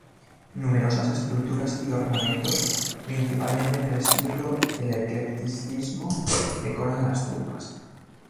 Numerosas esculturas y ornamentos, principalmente en el estilo del eclecticismo, decoran las tumbas.